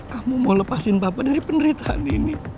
kamu mau lepasin bapak dari penderitaan ini